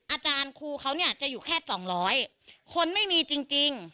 อาจารย์ครูเขาเนี่ยจะอยู่แค่สองร้อยคนไม่มีจริง